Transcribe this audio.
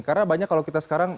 karena banyak kalau kita sekarang